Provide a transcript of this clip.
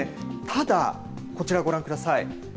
ただ、こちらご覧ください。